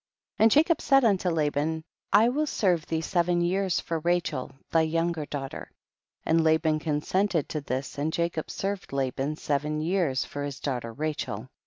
14. And Jacob said unto Laban, I will serve thee seven years for Ra chel thy younger daughter ; and La ban consented to this and Jacob served Laban seven years for his daughter Rachel.